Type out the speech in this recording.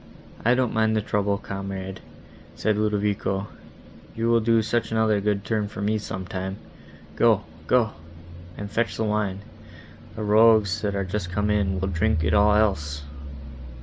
"I don't mind the trouble, comrade," said Ludovico, "you will do such another good turn for me, some time. Go—go, and fetch the wine; the rogues, that are just come in, will drink it all else."